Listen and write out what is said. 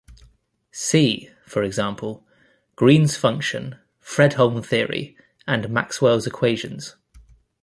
See, for example, Green's function, Fredholm theory, and Maxwell's equations.